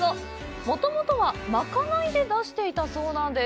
もともとは賄いで出していたそうなんです。